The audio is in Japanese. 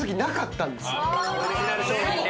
オリジナル商品ね。